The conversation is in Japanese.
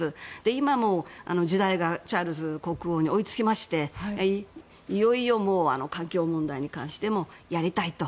今は時代がチャールズ国王に追いつきましていよいよ、環境問題に関してもやりたいと。